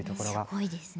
すごいですね。